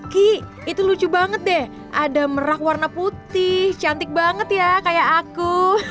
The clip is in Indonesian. ki itu lucu banget deh ada merah warna putih cantik banget ya kayak aku